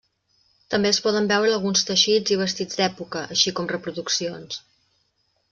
També es poden veure alguns teixits i vestits d'època, així com reproduccions.